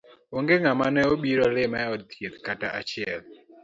Onge ngama ne obiro lima od thieth kata achiel